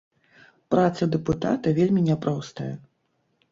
Праца дэпутата вельмі няпростая.